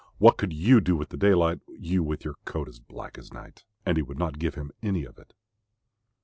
What could you do with daylight, you with your coat as black as night?" and he would not give him any of it.